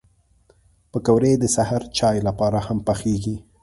پکورې د سهر چای لپاره هم پخېږي